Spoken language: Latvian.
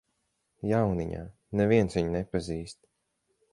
Jauniņā, neviens viņu nepazīst.